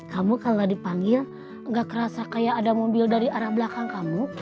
kamu kalau dipanggil nggak kerasa kayak ada mobil dari arah belakang kamu